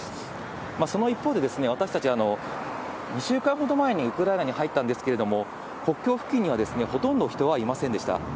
その一方で、私たち、２週間ほど前にウクライナに入ったんですけれども、国境付近にはほとんど人はいませんでした。